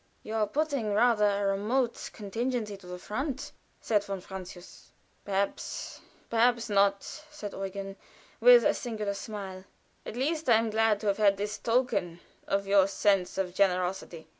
"You are putting rather a remote contingency to the front," said von Francius. "Perhaps perhaps not," said Eugen, with a singular smile. "At least I am glad to have had this token of your sense of generosity.